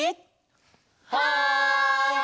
はい！